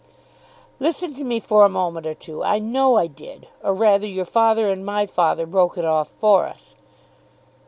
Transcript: "Listen to me for a moment or two. I know I did. Or, rather, your father and my father broke it off for us."